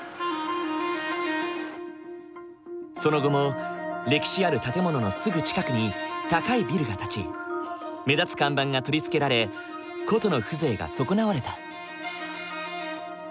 その後も歴史ある建物のすぐ近くに高いビルが建ち目立つ看板が取り付けられ古都の風情が損なわれた。